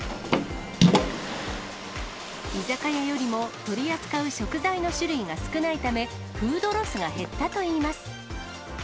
居酒屋よりも取り扱う食材の種類が少ないため、フードロスが減ったといいます。